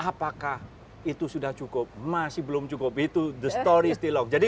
apakah itu sudah cukup masih belum cukup itu the story stilog